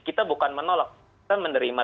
kita bukan menolak kita menerima